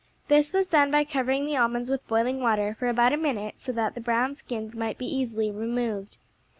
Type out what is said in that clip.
This was done by covering the almonds with boiling water for about a minute so that the brown skins might be easily removed.